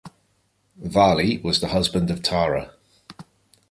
Vali was husband of Tara.